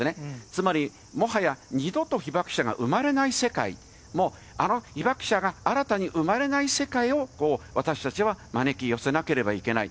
つまり、もはや二度と被爆者が生まれない世界も、被爆者が新たに生まれない世界を私たちは招き寄せなければいけない。